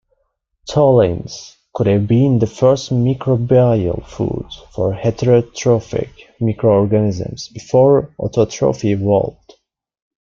Tholins could have been the first microbial food for heterotrophic microorganisms before autotrophy evolved.